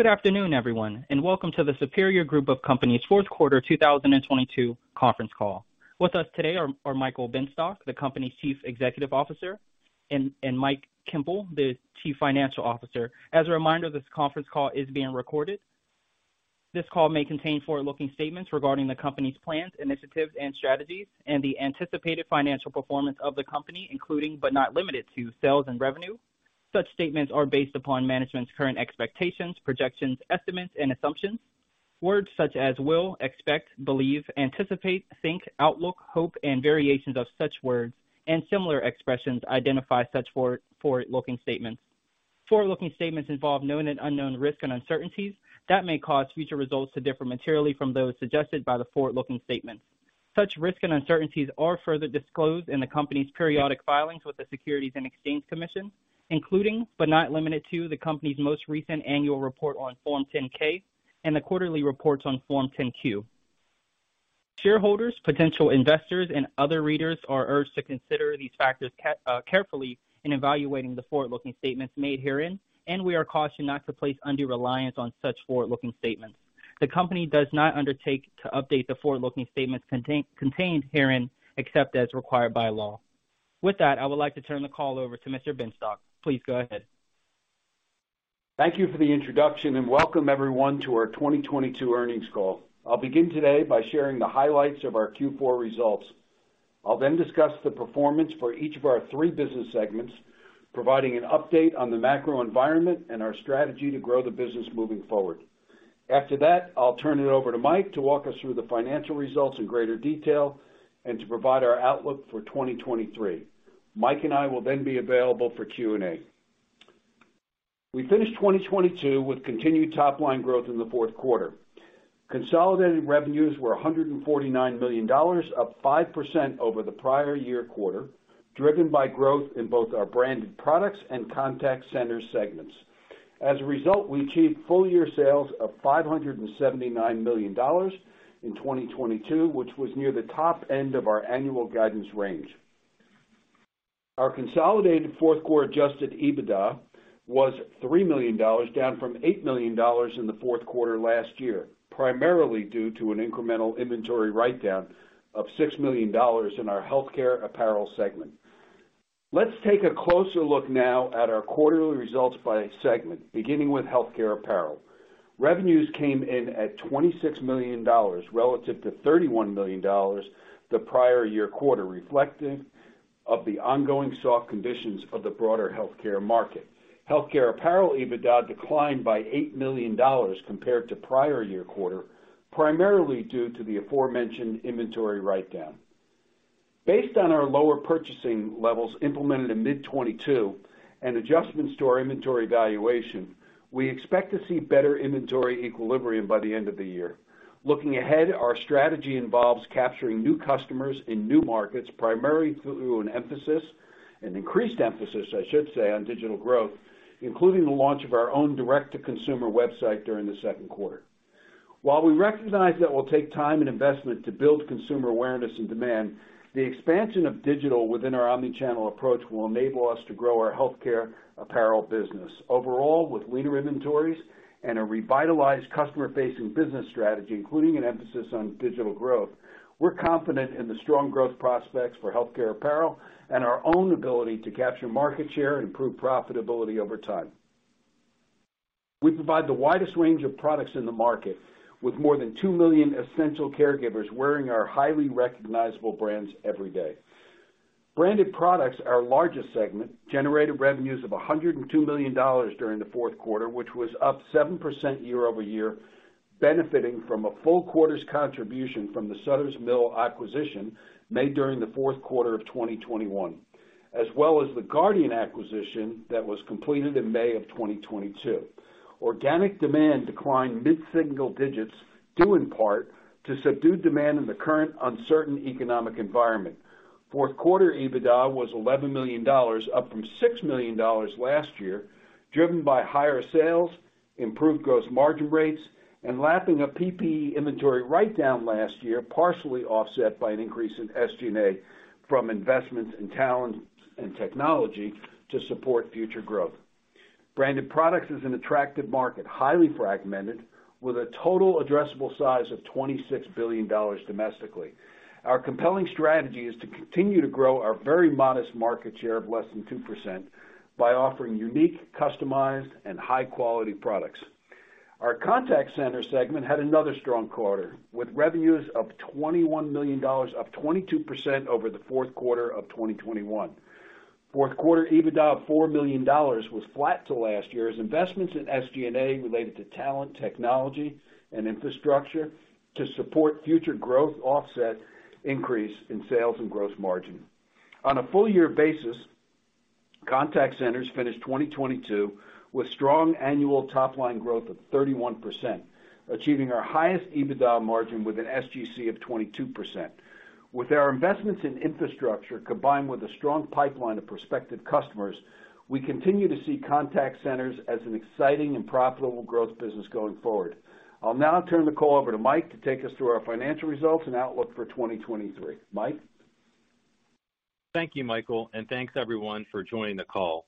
Good afternoon, everyone, welcome to the Superior Group of Companies fourth quarter 2022 conference call. With us today are Michael Benstock, the company's Chief Executive Officer, and Mike Koempel, the Chief Financial Officer. As a reminder, this conference call is being recorded. This call may contain forward-looking statements regarding the company's plans, initiatives, and strategies, and the anticipated financial performance of the company, including but not limited to sales and revenue. Such statements are based upon management's current expectations, projections, estimates, and assumptions. Words such as will, expect, believe, anticipate, think, outlook, hope, and variations of such words and similar expressions identify such forward-looking statements. Forward-looking statements involve known and unknown risks and uncertainties that may cause future results to differ materially from those suggested by the forward-looking statements. Such risks and uncertainties are further disclosed in the company's periodic filings with the Securities and Exchange Commission, including, but not limited to, the company's most recent annual report on Form 10-K and the quarterly reports on Form 10-Q. Shareholders, potential investors, and other readers are urged to consider these factors carefully in evaluating the forward-looking statements made herein, and we are cautioned not to place undue reliance on such forward-looking statements. The company does not undertake to update the forward-looking statements contained herein, except as required by law. With that, I would like to turn the call over to Mr. Benstock. Please go ahead. Thank you for the introduction. Welcome everyone to our 2022 earnings call. I'll begin today by sharing the highlights of our Q4 results. I'll then discuss the performance for each of our three business segments, providing an update on the macro environment and our strategy to grow the business moving forward. After that, I'll turn it over to Mike to walk us through the financial results in greater detail and to provide our outlook for 2023. Mike and I will then be available for Q&A. We finished 2022 with continued top-line growth in the fourth quarter. Consolidated revenues were $149 million, up 5% over the prior-year quarter, driven by growth in both our branded products and contact center segments. As a result, we achieved full-year sales of $579 million in 2022, which was near the top end of our annual guidance range. Our consolidated fourth quarter adjusted EBITDA was $3 million, down from $8 million in the fourth quarter last year, primarily due to an incremental inventory write-down of $6 million in our healthcare apparel segment. Let's take a closer look now at our quarterly results by segment, beginning with healthcare apparel. Revenues came in at $26 million relative to $31 million the prior year quarter, reflective of the ongoing soft conditions of the broader healthcare market. Healthcare apparel EBITDA declined by $8 million compared to prior year quarter, primarily due to the aforementioned inventory write-down. Based on our lower purchasing levels implemented in mid 2022 and adjustments to our inventory valuation, we expect to see better inventory equilibrium by the end of the year. Looking ahead, our strategy involves capturing new customers in new markets, primarily through an increased emphasis, I should say, on digital growth, including the launch of our own direct-to-consumer website during the second quarter. While we recognize that it will take time and investment to build consumer awareness and demand, the expansion of digital within our omni-channel approach will enable us to grow our healthcare apparel business. Overall, with leaner inventories and a revitalized customer-facing business strategy, including an emphasis on digital growth, we're confident in the strong growth prospects for healthcare apparel and our own ability to capture market share and improve profitability over time. We provide the widest range of products in the market, with more than two million essential caregivers wearing our highly recognizable brands every day. Branded products, our largest segment, generated revenues of $102 million during the fourth quarter, which was up 7% year-over-year, benefiting from a full quarter's contribution from the Sutter's Mill acquisition made during the fourth quarter of 2021, as well as the Guardian acquisition that was completed in May of 2022. Organic demand declined mid-single digits, due in part to subdued demand in the current uncertain economic environment. Fourth quarter EBITDA was $11 million, up from $6 million last year, driven by higher sales, improved gross margin rates, and lapping a PPE inventory write-down last year, partially offset by an increase in SG&A from investments in talent and technology to support future growth. Branded products is an attractive market, highly fragmented, with a total addressable size of $26 billion domestically. Our compelling strategy is to continue to grow our very modest market share of less than 2% by offering unique, customized, and high-quality products. Our contact center segment had another strong quarter, with revenues of $21 million, up 22% over the fourth quarter of 2021. Fourth quarter EBITDA of $4 million was flat to last year's. Investments in SG&A related to talent, technology, and infrastructure to support future growth offset increase in sales and gross margin. On a full year basis, contact centers finished 2022 with strong annual top-line growth of 31%, achieving our highest EBITDA margin with an SGC of 22%. With our investments in infrastructure, combined with a strong pipeline of prospective customers, we continue to see contact centers as an exciting and profitable growth business going forward. I'll now turn the call over to Mike to take us through our financial results and outlook for 2023. Mike? Thank you, Michael, and thanks everyone for joining the call.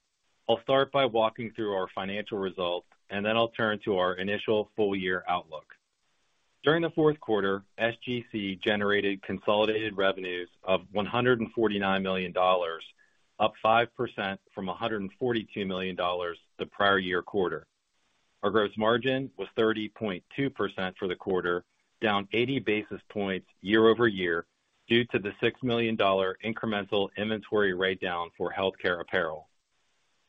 I'll start by walking through our financial results, then I'll turn to our initial full year outlook. During the fourth quarter, SGC generated consolidated revenues of $149 million, up 5% from $142 million the prior year quarter. Our gross margin was 30.2% for the quarter, down 80 basis points year-over-year due to the $6 million incremental inventory write-down for healthcare apparel.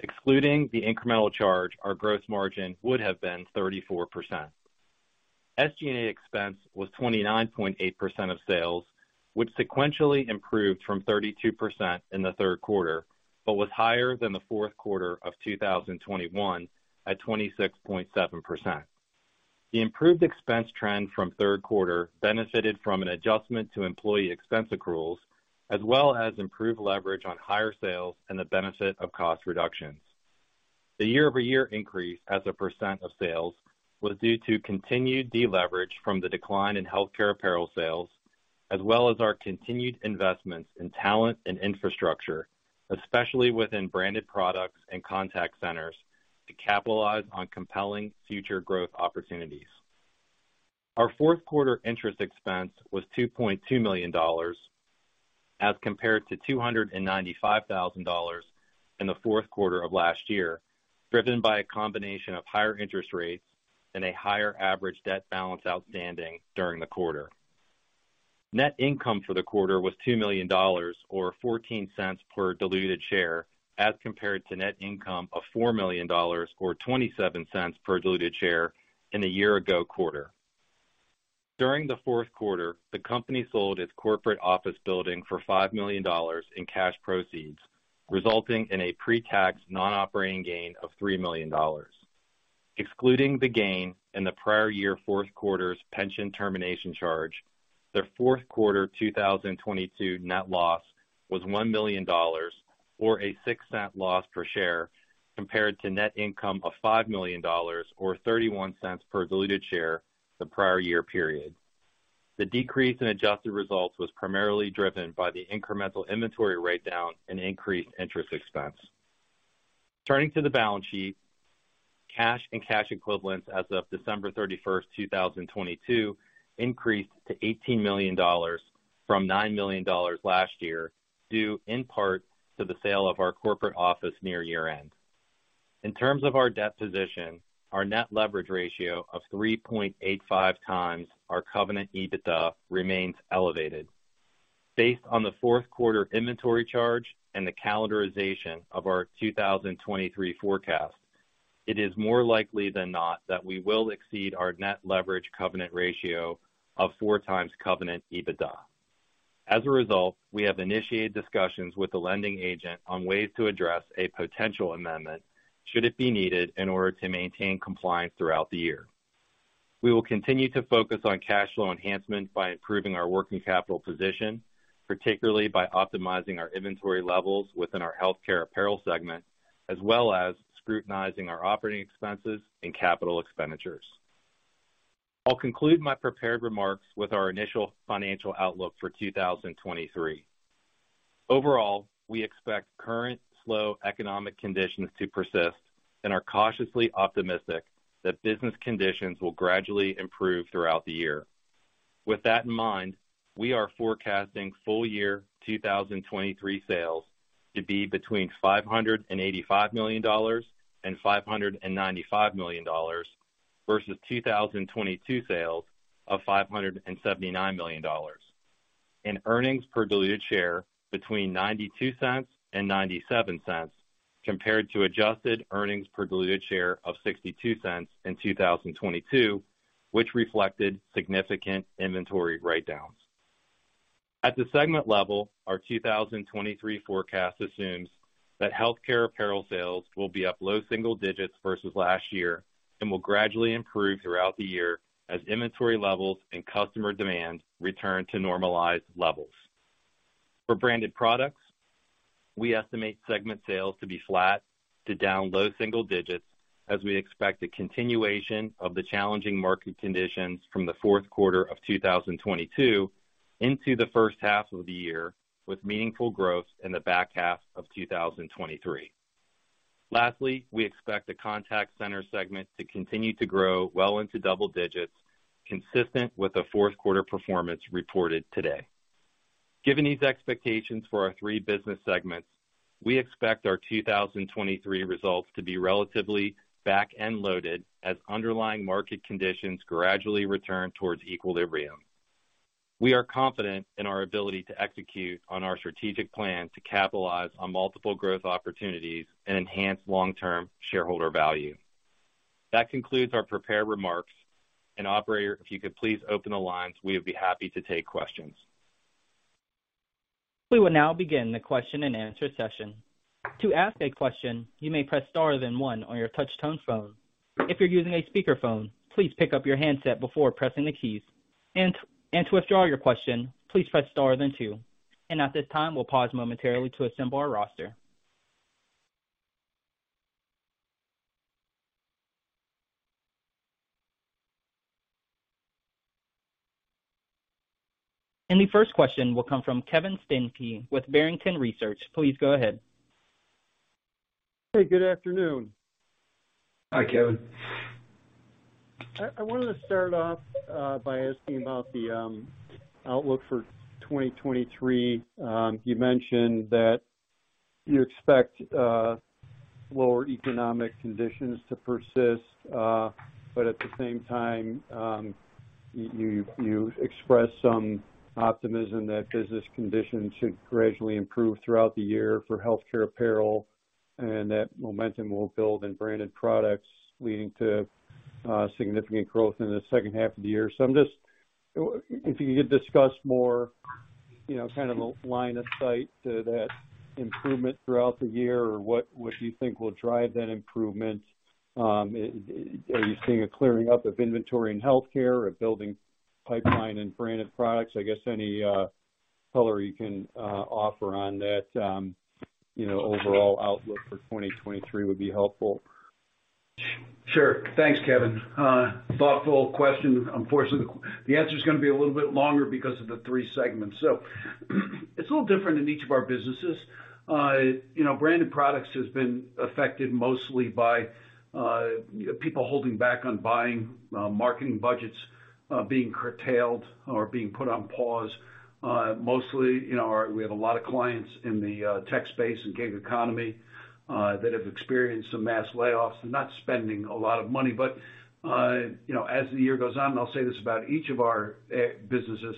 Excluding the incremental charge, our gross margin would have been 34%. SG&A expense was 29.8% of sales, which sequentially improved from 32% in the third quarter, was higher than the fourth quarter of 2021 at 26.7%. The improved expense trend from third quarter benefited from an adjustment to employee expense accruals, as well as improved leverage on higher sales and the benefit of cost reductions. The year-over-year increase as a percentage of sales was due to continued deleverage from the decline in healthcare apparel sales, as well as our continued investments in talent and infrastructure, especially within branded products and contact centers, to capitalize on compelling future growth opportunities. Our fourth quarter interest expense was $2.2 million as compared to $295,000 in the fourth quarter of last year, driven by a combination of higher interest rates and a higher average debt balance outstanding during the quarter. Net income for the quarter was $2 million or $0.14 per diluted share, as compared to net income of $4 million or $0.27 per diluted share in the year ago quarter. During the fourth quarter, the company sold its corporate office building for $5 million in cash proceeds, resulting in a pre-tax non-operating gain of $3 million. Excluding the gain in the prior year fourth quarter's pension termination charge, the fourth quarter 2022 net loss was $1 million or a $0.06 loss per share, compared to net income of $5 million or $0.31 per diluted share the prior year period. The decrease in adjusted results was primarily driven by the incremental inventory write-down and increased interest expense. Turning to the balance sheet, cash and cash equivalents as of December 31st, 2022 increased to $18 million from $9 million last year, due in part to the sale of our corporate office near year-end. In terms of our debt position, our net leverage ratio of 3.85x our covenant EBITDA remains elevated. Based on the fourth quarter inventory charge and the calendarization of our 2023 forecast, it is more likely than not that we will exceed our net leverage covenant ratio of 4x covenant EBITDA. As a result, we have initiated discussions with the lending agent on ways to address a potential amendment should it be needed in order to maintain compliance throughout the year. We will continue to focus on cash flow enhancement by improving our working capital position, particularly by optimizing our inventory levels within our healthcare apparel segment, as well as scrutinizing our operating expenses and capital expenditures. I'll conclude my prepared remarks with our initial financial outlook for 2023. Overall, we expect current slow economic conditions to persist and are cautiously optimistic that business conditions will gradually improve throughout the year. With that in mind, we are forecasting full year 2023 sales to be between $585 million and $595 million versus 2022 sales of $579 million. In earnings per diluted share between $0.92 and $0.97 compared to adjusted earnings per diluted share of $0.62 in 2022, which reflected significant inventory write-downs. At the segment level, our 2023 forecast assumes that healthcare apparel sales will be up low single digits versus last year and will gradually improve throughout the year as inventory levels and customer demand return to normalized levels. For branded products, we estimate segment sales to be flat to down low single digits as we expect a continuation of the challenging market conditions from the fourth quarter of 2022 into the first half of the year, with meaningful growth in the back half of 2023. Lastly, we expect the contact center segment to continue to grow well into double digits, consistent with the fourth quarter performance reported today. Given these expectations for our three business segments, we expect our 2023 results to be relatively back end loaded as underlying market conditions gradually return towards equilibrium. We are confident in our ability to execute on our strategic plan to capitalize on multiple growth opportunities and enhance long-term shareholder value. That concludes our prepared remarks. Operator, if you could please open the lines, we would be happy to take questions. We will now begin the question and answer session. To ask a question, you may press star then one on your touch tone phone. If you're using a speakerphone, please pick up your handset before pressing the keys. To withdraw your question, please press star then two. At this time, we'll pause momentarily to assemble our roster. The first question will come from Kevin Steinke with Barrington Research. Please go ahead. Hey, good afternoon. Hi, Kevin. I wanted to start off by asking about the outlook for 2023. You mentioned that you expect lower economic conditions to persist, but at the same time, you expressed some optimism that business conditions should gradually improve throughout the year for Healthcare Apparel and that momentum will build in Branded Products, leading to significant growth in the second half of the year. If you could discuss more, you know, kind of a line of sight to that improvement throughout the year or what you think will drive that improvement. Are you seeing a clearing up of inventory in healthcare or building pipeline in Branded Products? I guess any color you can offer on that, you know, overall outlook for 2023 would be helpful. Sure. Thanks, Kevin. Thoughtful question. Unfortunately, the answer is gonna be a little bit longer because of the three segments. It's a little different in each of our businesses. You know, Branded Products has been affected mostly by people holding back on buying, marketing budgets being curtailed or being put on pause. Mostly, you know, we have a lot of clients in the tech space and gig economy that have experienced some mass layoffs and not spending a lot of money. You know, as the year goes on, and I'll say this about each of our businesses,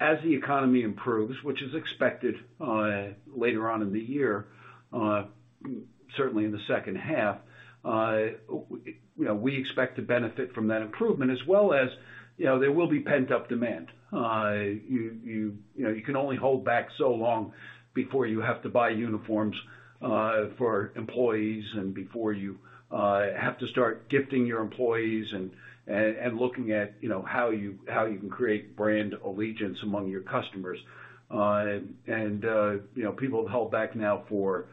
as the economy improves, which is expected later on in the year, certainly in the second half, you know, we expect to benefit from that improvement as well as, you know, there will be pent-up demand. You know, you can only hold back so long before you have to buy uniforms for employees and before you have to start gifting your employees and, looking at, you know, how you, how you can create brand allegiance among your customers. And, you know, people have held back now for,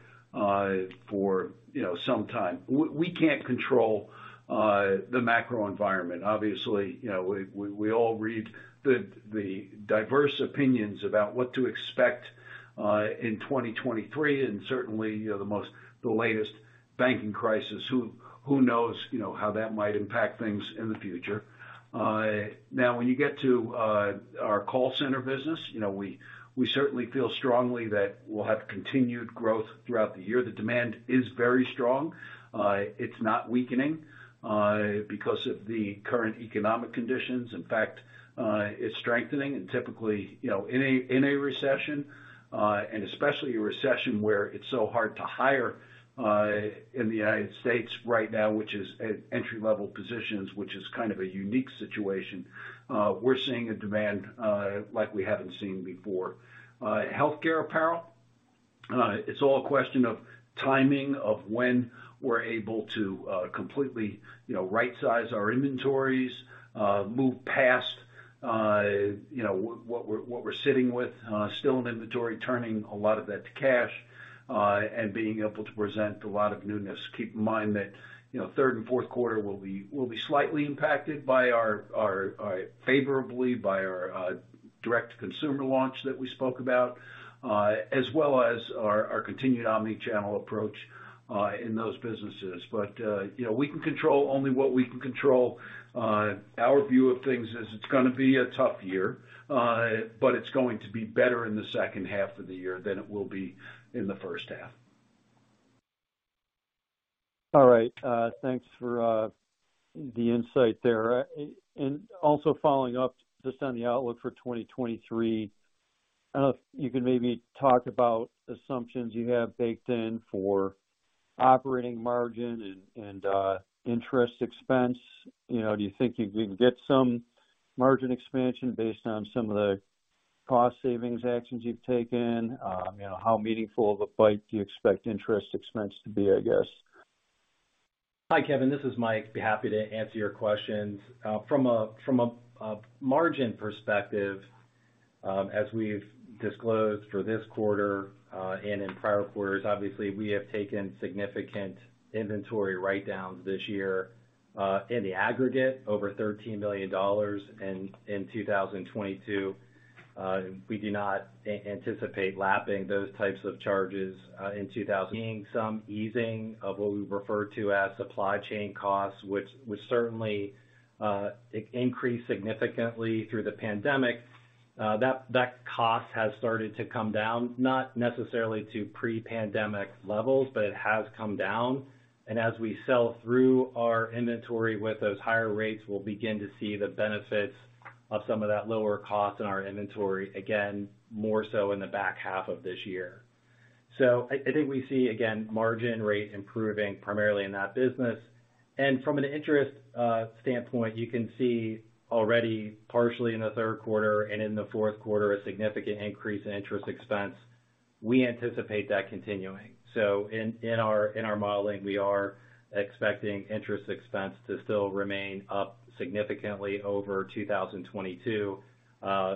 you know, some time. We can't control the macro environment. Obviously, you know, we all read the diverse opinions about what to expect in 2023, and certainly, you know, the latest banking crisis. Who, who knows, you know, how that might impact things in the future. Now when you get to our call center business, you know, we certainly feel strongly that we'll have continued growth throughout the year. The demand is very strong. It's not weakening because of the current economic conditions. In fact, it's strengthening. Typically, you know, in a recession, and especially a recession where it's so hard to hire in the United States right now, which is at entry-level positions, which is kind of a unique situation, we're seeing a demand like we haven't seen before. Healthcare Apparel, it's all a question of timing of when we're able to completely, you know, right-size our inventories, move past, you know, what we're sitting with, still in inventory, turning a lot of that to cash, and being able to present a lot of newness. Keep in mind that, you know, third and fourth quarter will be slightly impacted by our favorably by our direct-to-consumer launch that we spoke about, as well as our continued omni-channel approach in those businesses. you know, we can control only what we can control. Our view of things is it's gonna be a tough year, but it's going to be better in the second half of the year than it will be in the first half. All right. Thanks for the insight there. Also following up just on the outlook for 2023, you can maybe talk about assumptions you have baked in for operating margin and interest expense. You know, do you think you can get some margin expansion based on some of the cost savings actions you've taken? You know, how meaningful of a bite do you expect interest expense to be, I guess? Hi, Kevin. This is Mike. Be happy to answer your questions. From a margin perspective, as we've disclosed for this quarter, and in prior quarters, obviously, we have taken significant inventory write-downs this year, in the aggregate over $13 million in 2022. We do not anticipate lapping those types of charges, seeing some easing of what we refer to as supply chain costs, which certainly increased significantly through the pandemic. That cost has started to come down, not necessarily to pre-pandemic levels, but it has come down. As we sell through our inventory with those higher rates, we'll begin to see the benefits of some of that lower cost in our inventory, again, more so in the back half of this year. I think we see, again, margin rate improving primarily in that business. From an interest standpoint, you can see already partially in the third quarter and in the fourth quarter, a significant increase in interest expense. We anticipate that continuing. In our modeling, we are expecting interest expense to still remain up significantly over 2022.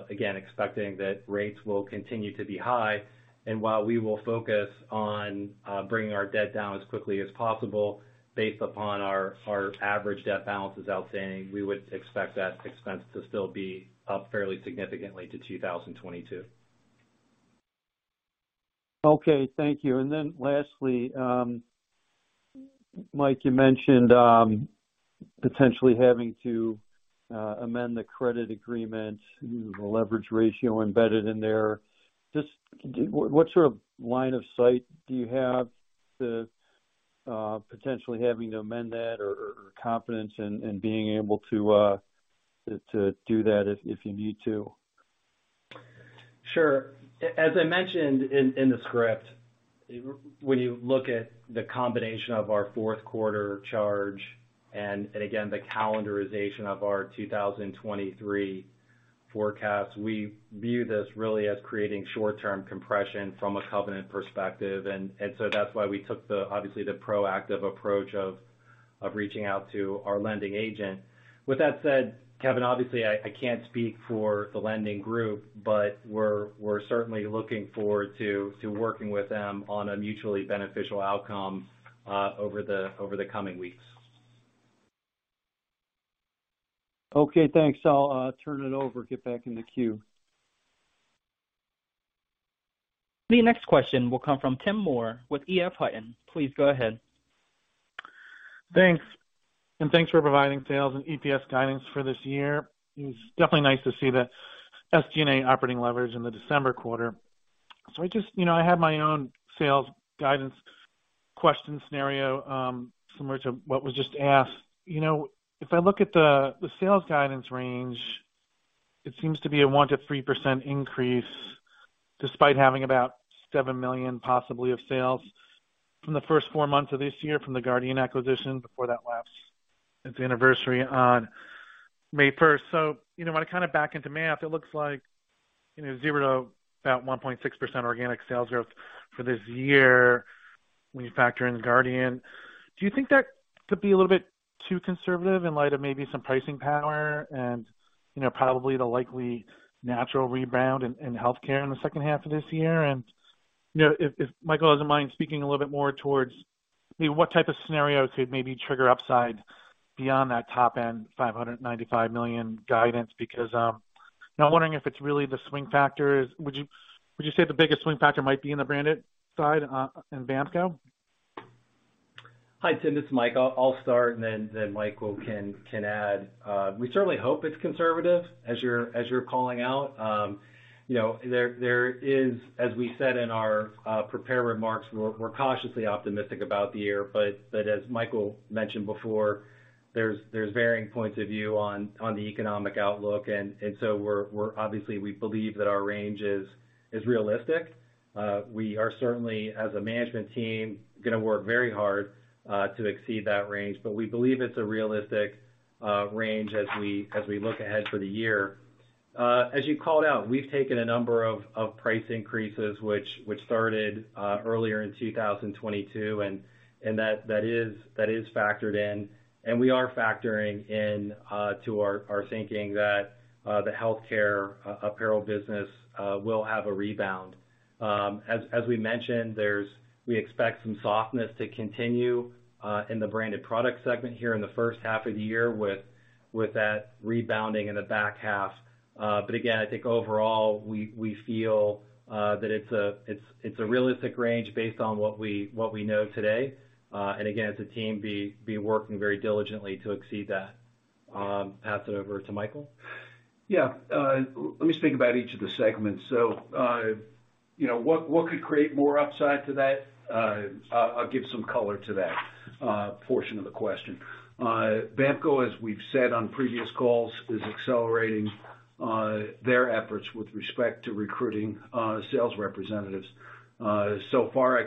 Again, expecting that rates will continue to be high. While we will focus on bringing our debt down as quickly as possible based upon our average debt balances outstanding, we would expect that expense to still be up fairly significantly to 2022. Okay. Thank you. Lastly, Mike, you mentioned potentially having to amend the credit agreement, the leverage ratio embedded in there. Just what sort of line of sight do you have to potentially having to amend that or confidence in being able to do that if you need to? Sure. As I mentioned in the script, when you look at the combination of our fourth quarter charge and again, the calendarization of our 2023 forecast, we view this really as creating short term compression from a covenant perspective. So that's why we took the obviously the proactive approach of reaching out to our lending agent. With that said, Kevin, obviously I can't speak for the lending group, but we're certainly looking forward to working with them on a mutually beneficial outcome over the coming weeks. Okay, thanks. I'll turn it over, get back in the queue. The next question will come from Tim Moore with EF Hutton. Please go ahead. Thanks. Thanks for providing sales and EPS guidance for this year. It's definitely nice to see the SG&A operating leverage in the December quarter. I just, you know, I have my own sales guidance question scenario, similar to what was just asked. You know, if I look at the sales guidance range, it seems to be a 1%-3% increase despite having about $7 million possibly of sales from the first four months of this year from the Guardian acquisition before that lasts its anniversary on May 1st. You know, when I kind of back into math, it looks like, you know, 0%-1.6% organic sales growth for this year when you factor in Guardian. Do you think that could be a little bit too conservative in light of maybe some pricing power and, you know, probably the likely natural rebound in healthcare in the second half of this year? If Michael doesn't mind speaking a little bit more towards, I mean, what type of scenario could maybe trigger upside beyond that top end $595 million guidance? Because, now I'm wondering if it's really the swing factor. Would you say the biggest swing factor might be in the branded side in BAMKO? Hi, Tim, it's Mike. I'll start and then Michael can add. We certainly hope it's conservative, as you're calling out. you know, there is as we said in our prepared remarks, we're cautiously optimistic about the year. As Michael mentioned before, there's varying points of view on the economic outlook. We're obviously, we believe that our range is realistic. We are certainly, as a management team, gonna work very hard to exceed that range. We believe it's a realistic range as we look ahead for the year. As you called out, we've taken a number of price increases, which started earlier in 2022, and that is factored in. We are factoring in to our thinking that the healthcare apparel business will have a rebound. As we mentioned, we expect some softness to continue in the branded product segment here in the first half of the year with that rebounding in the back half. Again, I think overall, we feel that it's a realistic range based on what we know today. Again, as a team be working very diligently to exceed that. Pass it over to Michael. Let me speak about each of the segments. You know, what could create more upside to that? I'll give some color to that portion of the question. BAMKO, as we've said on previous calls, is accelerating their efforts with respect to recruiting sales representatives. I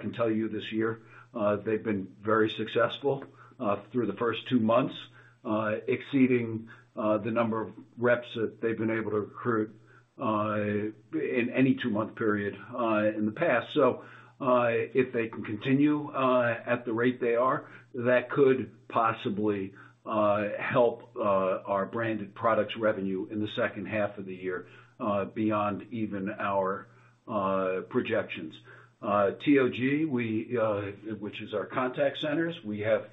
can tell you this year, they've been very successful through the first two months, exceeding the number of reps that they've been able to recruit in any two-month period in the past. If they can continue at the rate they are, that could possibly help our branded products revenue in the second half of the year beyond even our projections. TOG, we, which is our contact centers, we have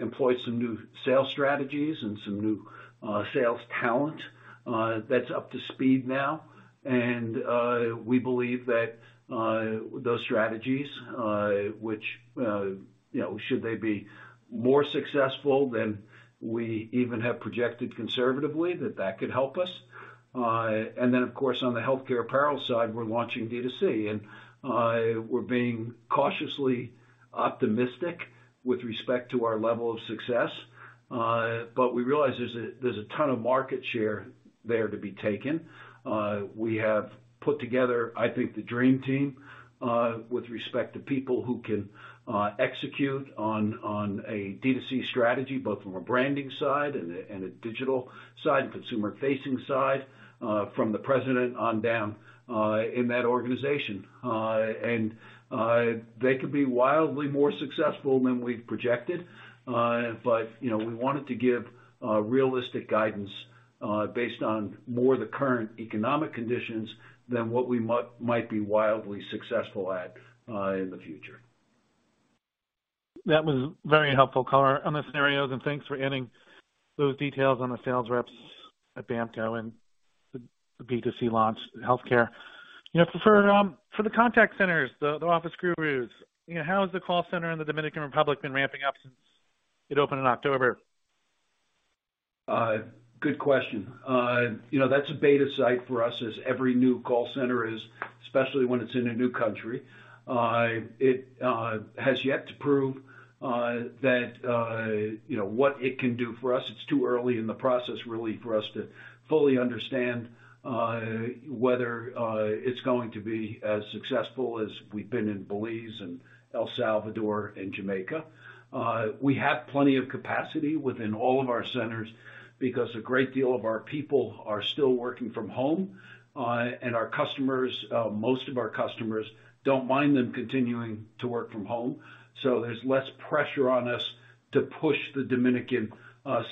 employed some new sales strategies and some new sales talent that's up to speed now. We believe that those strategies, which, you know, should they be more successful than we even have projected conservatively, that that could help us. Then, of course, on the healthcare apparel side, we're launching D2C, and we're being cautiously optimistic with respect to our level of success. We realize there's a ton of market share there to be taken. We have put together, I think, the dream team with respect to people who can execute on a D2C strategy, both from a branding side and a digital side, consumer facing side, from the president on down in that organization. They could be wildly more successful than we've projected. You know, we wanted to give realistic guidance, based on more the current economic conditions than what we might be wildly successful at in the future. That was very helpful color on the scenarios, and thanks for adding those details on the sales reps at BAMKO and the B2C launch in healthcare. You know, for the contact centers, The Office Gurus, you know, how has the call center in the Dominican Republic been ramping up since it opened in October? Good question. You know, that's a beta site for us as every new call center is, especially when it's in a new country. It has yet to prove that, you know, what it can do for us. It's too early in the process really for us to fully understand whether it's going to be as successful as we've been in Belize and El Salvador and Jamaica. We have plenty of capacity within all of our centers because a great deal of our people are still working from home. And our customers, most of our customers don't mind them continuing to work from home. There's less pressure on us to push the Dominican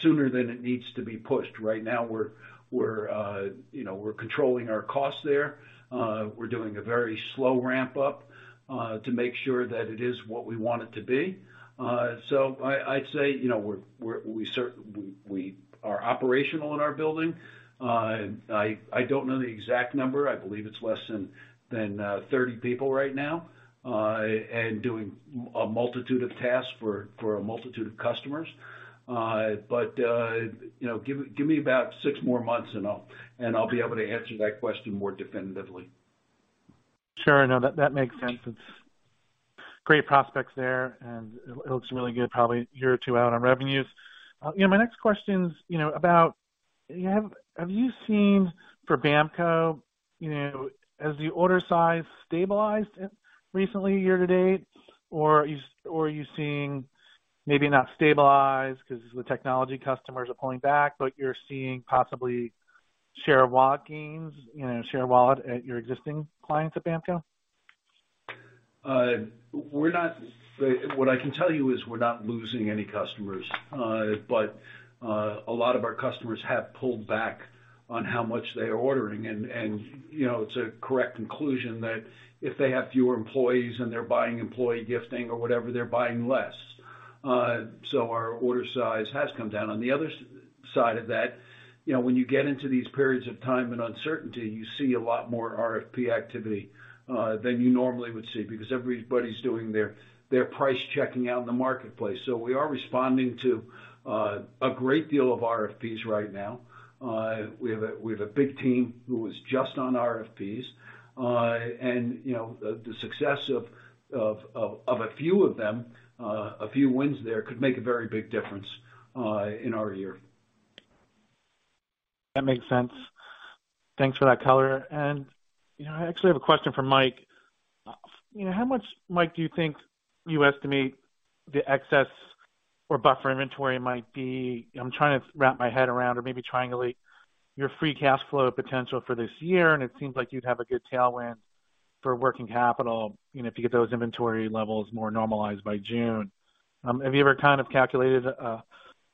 sooner than it needs to be pushed. Right now, we're, you know, we're controlling our costs there. We are doing a very slow ramp-up to make sure that it is what we want it to be. So I say, you know, we are operational in our building. I do not know the exact number. I believe it is less than 30 people right now and doing a multitude of tasks for a multitude of customers. But, you know, give me about six more months and I will be able to answer that question more definitively. Sure. No, that makes sense. It's great prospects there, and it looks really good probably a year or two out on revenues. You know, my next question is, you know, about have you seen for BAMKO, you know, has the order size stabilized recently year-to-date? Or are you seeing maybe not stabilized because the technology customers are pulling back, but you're seeing possibly share-of-wallet gains, you know, share of wallet at your existing clients at BAMKO? What I can tell you is we're not losing any customers. A lot of our customers have pulled back on how much they are ordering. You know, it's a correct conclusion that if they have fewer employees and they're buying employee gifting or whatever, they're buying less. Our order size has come down. On the other side of that, you know, when you get into these periods of time and uncertainty, you see a lot more RFP activity than you normally would see because everybody's doing their price checking out in the marketplace. We are responding to a great deal of RFPs right now. We have a big team who is just on RFPs. You know, the success of a few of them, a few wins there could make a very big difference in our year. That makes sense. Thanks for that color. You know, I actually have a question for Mike. You know, how much, Mike, do you think you estimate the excess or buffer inventory might be? I'm trying to wrap my head around or maybe triangulate your free cash flow potential for this year, and it seems like you'd have a good tailwind for working capital, you know, if you get those inventory levels more normalized by June. Have you ever kind of calculated a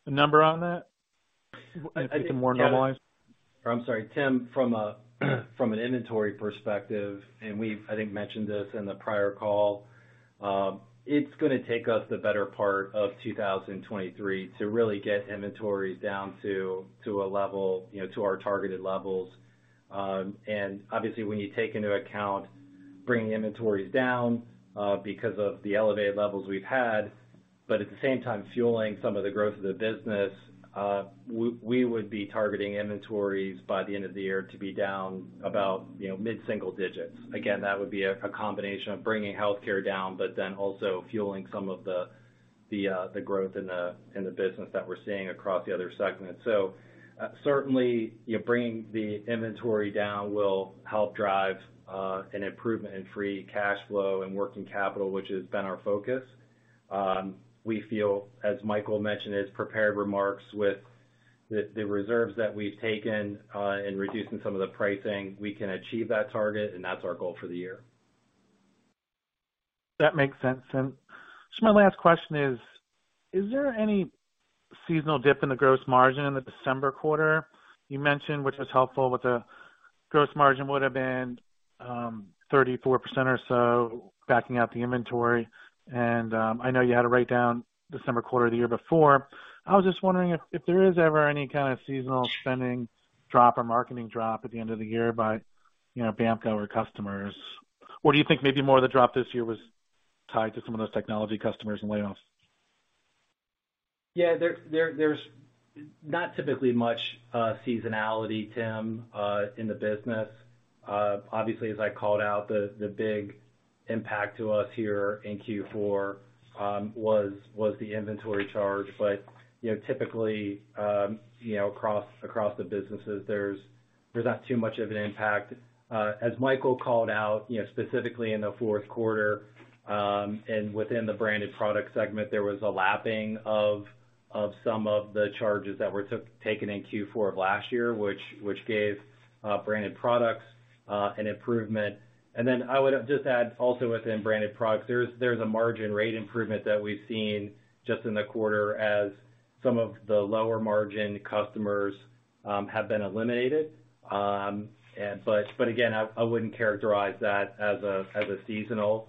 number on that to get them more normalized? I think, Tim. I'm sorry, Tim, from an inventory perspective, we've, I think, mentioned this in the prior call, it's gonna take us the better part of 2023 to really get inventories down to a level, you know, to our targeted levels. Obviously, when you take into account bringing inventories down, because of the elevated levels we've had, but at the same time fueling some of the growth of the business, we would be targeting inventories by the end of the year to be down about, you know, mid-single digits. Again, that would be a combination of bringing healthcare down, also fueling some of the growth in the business that we're seeing across the other segments. Certainly, you know, bringing the inventory down will help drive an improvement in free cash flow and working capital, which has been our focus. We feel, as Michael mentioned in his prepared remarks, with the reserves that we've taken, in reducing some of the pricing, we can achieve that target, and that's our goal for the year. That makes sense, Tim. My last question is: Is there any seasonal dip in the gross margin in the December quarter? You mentioned, which was helpful, with the gross margin would have been 34% or so backing out the inventory. I know you had a write down December quarter the year before. I was just wondering if there is ever any kind of seasonal spending drop or marketing drop at the end of the year by, you know, BAMKO or customers. Do you think maybe more of the drop this year was tied to some of those technology customers and layoffs? Yeah. There's not typically much seasonality, Tim, in the business. Obviously, as I called out, the big impact to us here in Q4 was the inventory charge. You know, typically, you know, across the businesses, there's not too much of an impact. As Michael called out, you know, specifically in the fourth quarter, and within the branded product segment, there was a lapping of some of the charges that were taken in Q4 of last year, which gave branded products an improvement. I would just add also within branded products, there's a margin rate improvement that we've seen just in the quarter as some of the lower margin customers have been eliminated. Again, I wouldn't characterize that as a seasonal,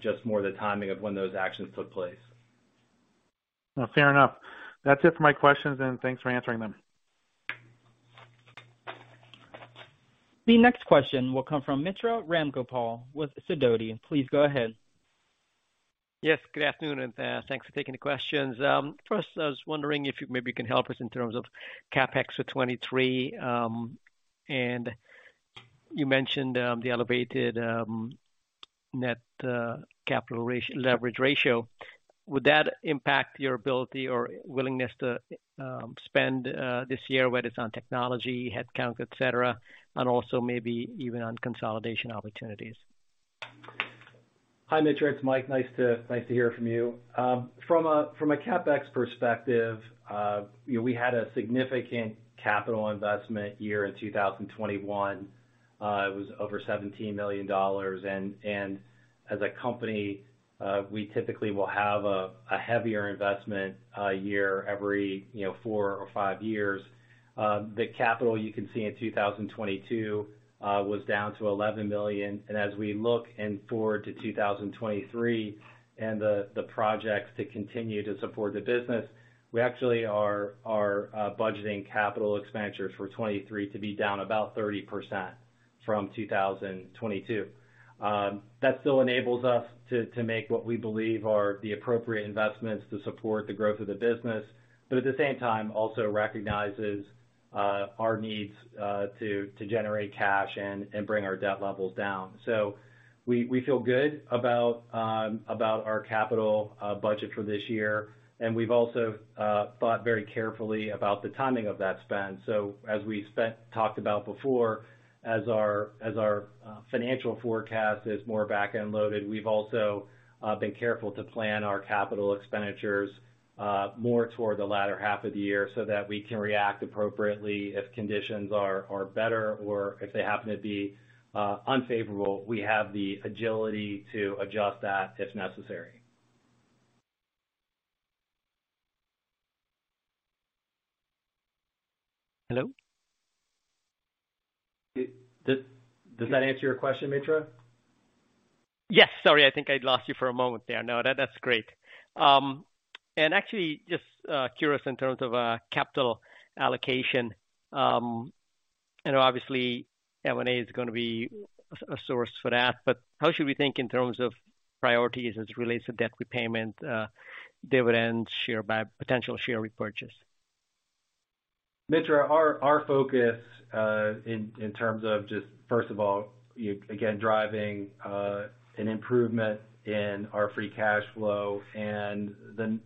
just more the timing of when those actions took place. No, fair enough. That's it for my questions, and thanks for answering them. The next question will come from Mitra Ramgopal with Sidoti. Please go ahead. Yes, good afternoon, and thanks for taking the questions. First, I was wondering if you maybe can help us in terms of CapEx for 2023. You mentioned the elevated net leverage ratio. Would that impact your ability or willingness to spend this year, whether it's on technology, headcount, et cetera, and also maybe even on consolidation opportunities? Hi, Mitra, it's Mike. Nice to hear from you. From a CapEx perspective, you know, we had a significant capital investment year in 2021. It was over $17 million. As a company, we typically will have a heavier investment year every, you know, four or five years. The capital you can see in 2022 was down to $11 million. As we look forward to 2023 and the projects to continue to support the business, we actually are budgeting capital expenditures for 2023 to be down about 30% from 2022. That still enables us to make what we believe are the appropriate investments to support the growth of the business, but at the same time, also recognizes our needs to generate cash and bring our debt levels down. We, we feel good about our capital budget for this year. We've also thought very carefully about the timing of that spend. As we talked about before, as our, as our financial forecast is more back-end loaded, we've also been careful to plan our capital expenditures more toward the latter half of the year so that we can react appropriately if conditions are better or if they happen to be unfavorable, we have the agility to adjust that if necessary. Hello? Does that answer your question, Mitra? Yes. Sorry, I think I'd lost you for a moment there. That, that's great. Actually just curious in terms of capital allocation, I know obviously M&A is gonna be a source for that. How should we think in terms of priorities as it relates to debt repayment, dividends, potential share repurchase? Mitra, our focus, in terms of just, first of all, again, driving an improvement in our free cash flow and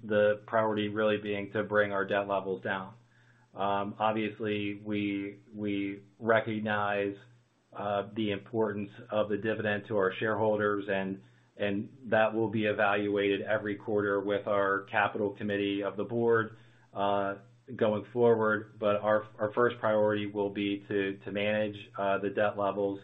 the priority really being to bring our debt levels down. Obviously, we recognize the importance of the dividend to our shareholders and that will be evaluated every quarter with our capital committee of the board going forward. Our first priority will be to manage the debt levels.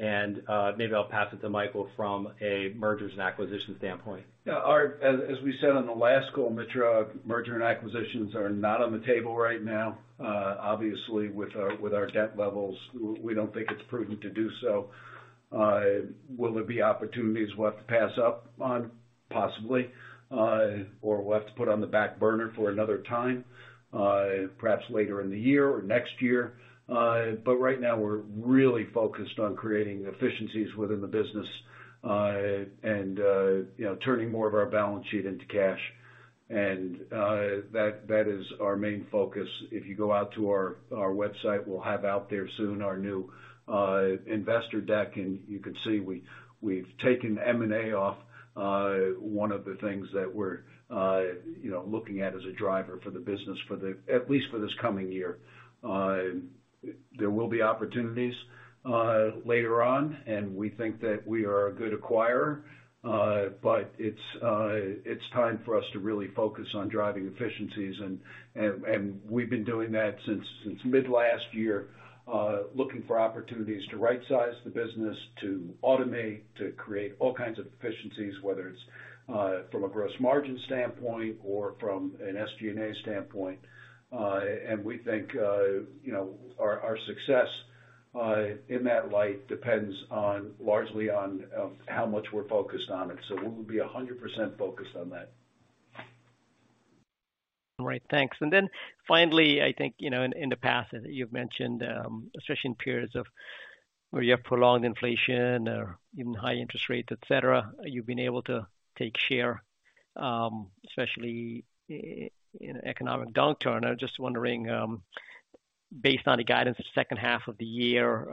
Maybe I'll pass it to Michael from a mergers and acquisitions standpoint. Yeah. As we said on the last call, Mitra, merger and acquisitions are not on the table right now. Obviously, with our, with our debt levels, we don't think it's prudent to do so. Will there be opportunities we'll have to pass up on? Possibly. Or we'll have to put on the back burner for another time, perhaps later in the year or next year. Right now, we're really focused on creating efficiencies within the business, and, you know, turning more of our balance sheet into cash. That is our main focus. If you go out to our website, we'll have out there soon our new investor deck, you can see we've taken M&A off, one of the things that we're, you know, looking at as a driver for the business for the at least for this coming year. There will be opportunities later on, and we think that we are a good acquirer. It's time for us to really focus on driving efficiencies and we've been doing that since mid last year, looking for opportunities to right-size the business, to automate, to create all kinds of efficiencies, whether it's from a gross margin standpoint or from an SG&A standpoint. We think, you know, our success in that light depends on, largely on, how much we're focused on it. we will be 100% focused on that. All right, thanks. Finally, I think, you know, in the past, you've mentioned, especially in periods of where you have prolonged inflation or even high interest rates, et cetera, you've been able to take share, especially in economic downturn. I'm just wondering, based on the guidance of second half of the year,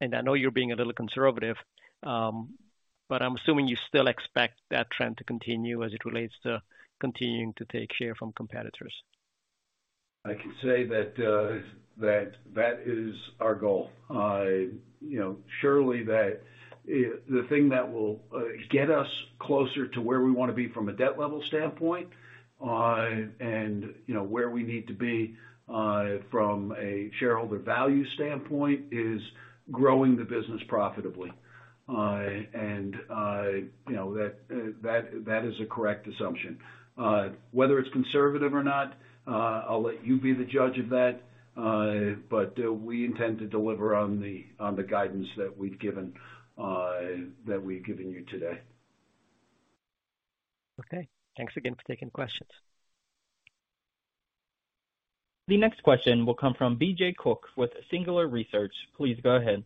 and I know you're being a little conservative, but I'm assuming you still expect that trend to continue as it relates to continuing to take share from competitors? I can say that is our goal. You know, surely the thing that will get us closer to where we wanna be from a debt level standpoint, and, you know, where we need to be from a shareholder value standpoint, is growing the business profitably. I, you know, that is a correct assumption. Whether it's conservative or not, I'll let you be the judge of that. We intend to deliver on the guidance that we've given you today. Thanks again for taking questions. The next question will come from BJ Cook with Singular Research. Please go ahead.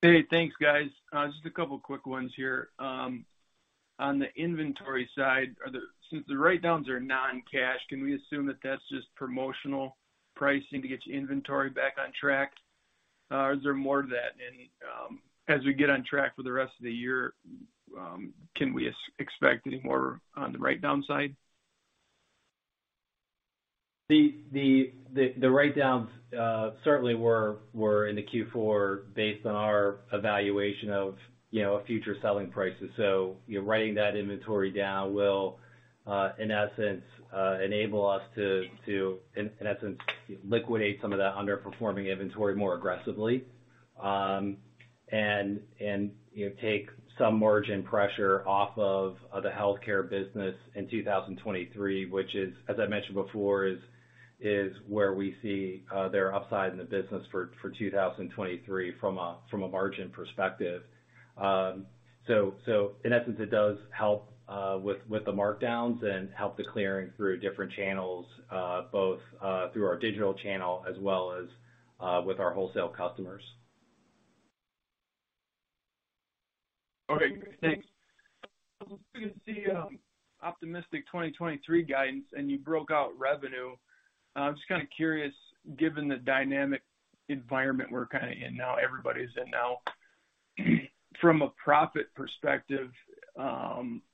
Hey, thanks, guys. Just a couple quick ones here. On the inventory side, are since the write-downs are non-cash, can we assume that that's just promotional pricing to get your inventory back on track? Is there more to that? As we get on track for the rest of the year, can we expect any more on the write-down side? The write-downs certainly were in the Q4 based on our evaluation of, you know, future selling prices. You know, writing that inventory down will in essence enable us to in essence liquidate some of that underperforming inventory more aggressively. You know, take some margin pressure off of the healthcare business in 2023, which is, as I mentioned before, is where we see their upside in the business for 2023 from a margin perspective. In essence, it does help with the markdowns and help the clearing through different channels, both through our digital channel as well as with our wholesale customers. Okay, great. Thanks. As we can see, optimistic 2023 guidance. You broke out revenue. I'm just kinda curious, given the dynamic environment we're kinda in now, everybody's in now, from a profit perspective,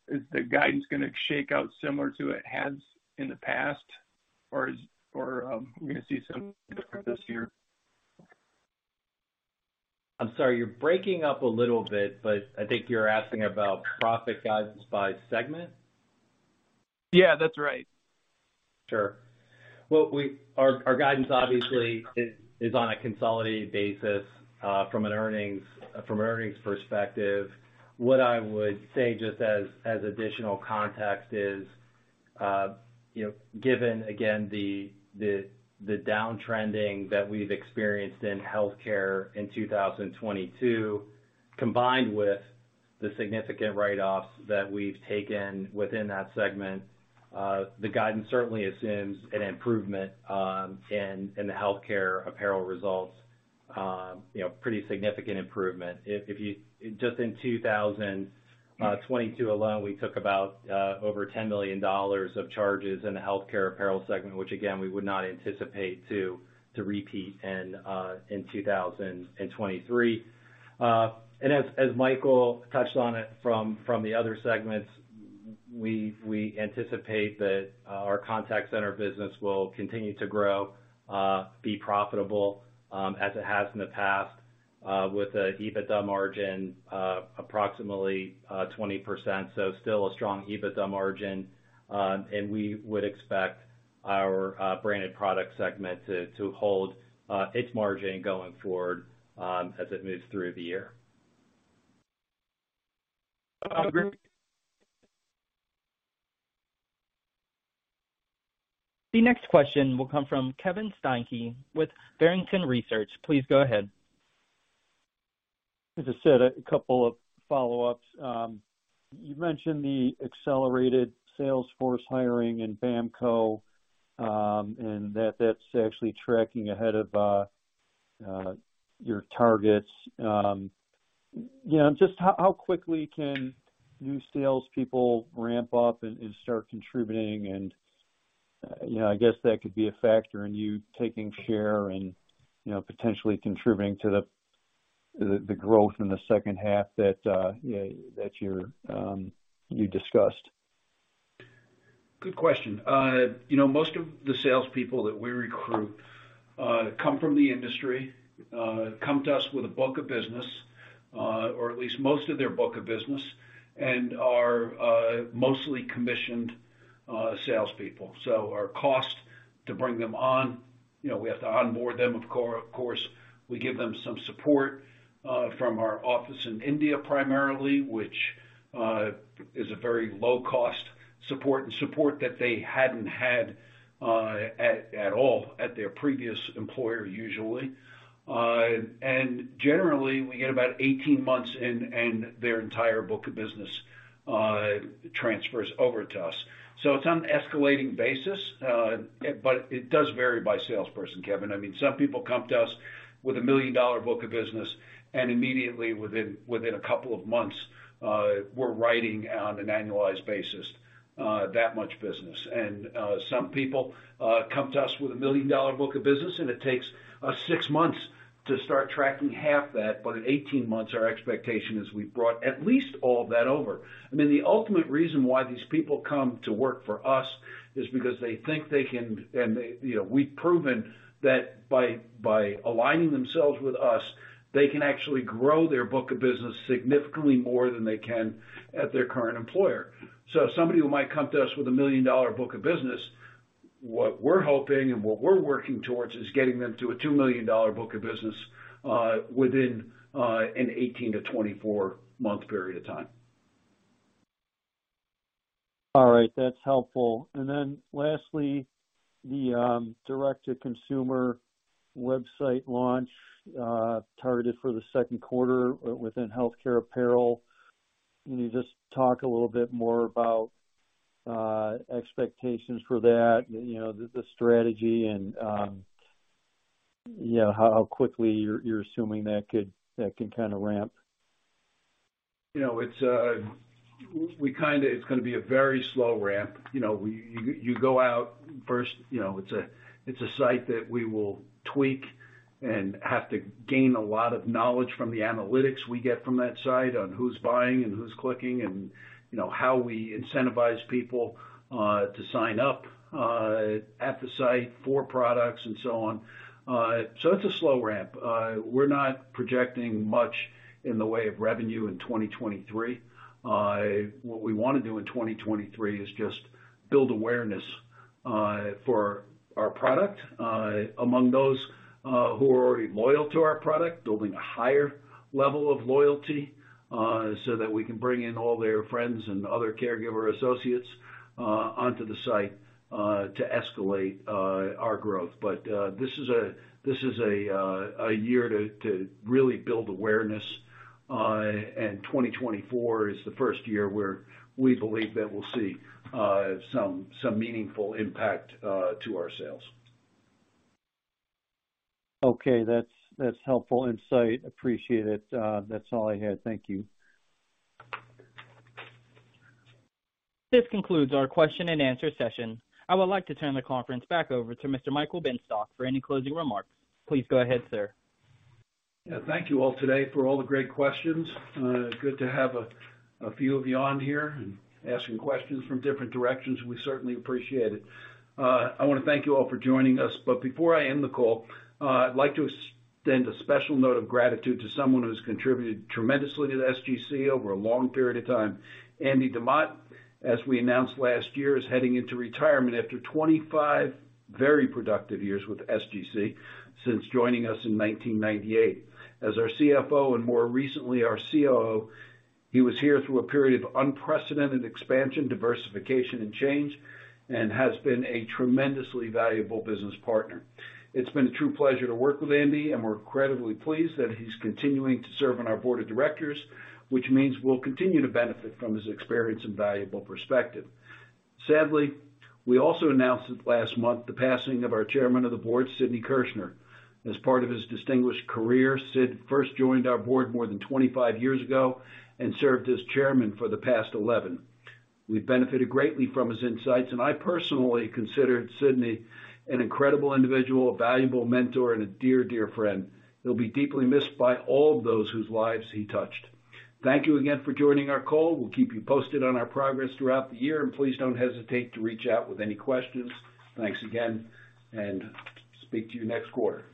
is the guidance gonna shake out similar to it has in the past or we're gonna see something different this year? I'm sorry, you're breaking up a little bit, but I think you're asking about profit guidance by segment. Yeah, that's right. Sure. Our guidance obviously is on a consolidated basis from an earnings perspective. What I would say just as additional context is, you know, given again, the downtrending that we've experienced in healthcare in 2022, combined with the significant write-offs that we've taken within that segment, the guidance certainly assumes an improvement in the healthcare apparel results, you know, pretty significant improvement. If Just in 2022 alone, we took about over $10 million of charges in the healthcare apparel segment, which again, we would not anticipate to repeat in 2023. As Michael Benstock touched on it from the other segments, we anticipate that our contact center business will continue to grow, be profitable, as it has in the past, with a EBITDA margin, approximately 20%. Still a strong EBITDA margin. We would expect our branded product segment to hold its margin going forward, as it moves through the year. Great. The next question will come from Kevin Steinke with Barrington Research. Please go ahead. As I said, a couple of follow-ups. You mentioned the accelerated sales force hiring in BAMKO, and that that's actually tracking ahead of your targets. You know, just how quickly can new salespeople ramp up and start contributing? You know, I guess that could be a factor in you taking share and, you know, potentially contributing to the growth in the second half that, you know, that you're, you discussed. Good question. You know, most of the salespeople that we recruit come from the industry, come to us with a book of business, or at least most of their book of business, and are mostly commissioned salespeople. Our cost to bring them on, you know, we have to onboard them of course. We give them some support from our office in India, primarily, which is a very low cost support, and support that they hadn't had at all at their previous employer usually. Generally, we get about 18 months in and their entire book of business transfers over to us. It's on an escalating basis, but it does vary by salesperson, Kevin. I mean, some people come to us with a million-dollar book of business, immediately within a couple of months, we're writing on an annualized basis, that much business. Some people come to us with a million-dollar book of business, and it takes us six months to start tracking half that. At 18 months, our expectation is we've brought at least all of that over. I mean, the ultimate reason why these people come to work for us is because they think they can, and they, you know, we've proven that by aligning themselves with us, they can actually grow their book of business significantly more than they can at their current employer. So somebody who might come to us with a $1 million book of business. What we're hoping and what we're working towards is getting them to a $2 million book of business, within an 18-24 month period of time. All right. That's helpful. Lastly, the direct-to-consumer website launch, targeted for the second quarter within healthcare apparel. Can you just talk a little bit more about expectations for that, you know, the strategy and, you know, how quickly you're assuming that can kinda ramp? You know, it's gonna be a very slow ramp. You know, you go out first. You know, it's a, it's a site that we will tweak and have to gain a lot of knowledge from the analytics we get from that site on who's buying and who's clicking and, you know, how we incentivize people to sign up at the site for products and so on. It's a slow ramp. We're not projecting much in the way of revenue in 2023. What we wanna do in 2023 is just build awareness for our product among those who are already loyal to our product, building a higher level of loyalty so that we can bring in all their friends and other caregiver associates onto the site to escalate our growth. This is a year to really build awareness. 2024 is the first year where we believe that we'll see, some meaningful impact, to our sales. Okay. That's helpful insight. Appreciate it. That's all I had. Thank you. This concludes our question and answer session. I would like to turn the conference back over to Mr. Michael Benstock for any closing remarks. Please go ahead, sir. Yeah. Thank you all today for all the great questions. good to have a few of you on here and asking questions from different directions. We certainly appreciate it. I wanna thank you all for joining us. Before I end the call, I'd like to extend a special note of gratitude to someone who has contributed tremendously to SGC over a long period of time. Andy Demott, as we announced last year, is heading into retirement after 25 very productive years with SGC since joining us in 1998. As our CFO and more recently our COO, he was here through a period of unprecedented expansion, diversification, and change, and has been a tremendously valuable business partner. It's been a true pleasure to work with Andy, and we're incredibly pleased that he's continuing to serve on our Board of Directors, which means we'll continue to benefit from his experience and valuable perspective. Sadly, we also announced last month the passing of our Chairman of the Board, Sidney Kirschner. As part of his distinguished career, Sid first joined our Board more than 25 years ago and served as chairman for the past 11. We benefited greatly from his insights, and I personally considered Sidney an incredible individual, a valuable mentor, and a dear friend. He'll be deeply missed by all of those whose lives he touched. Thank you again for joining our call. We'll keep you posted on our progress throughout the year, and please don't hesitate to reach out with any questions. Thanks again, and speak to you next quarter.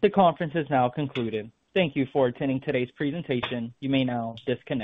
The conference is now concluded. Thank you for attending today's presentation. You may now disconnect.